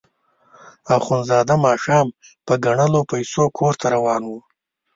اخندزاده ماښام په ګڼلو پیسو کور ته روان وو.